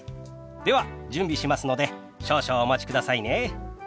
では準備しますので少々お待ちくださいね。